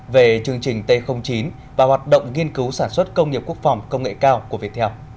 về chương trình t chín và hoạt động nghiên cứu sản xuất công nghiệp quốc phòng công nghệ cao của viettel